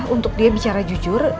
untuk dia bicara jujur